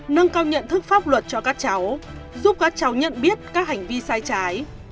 nâng cao nhận thức pháp luật cho các cháu giúp các cháu nhận biết các hành vi sai trái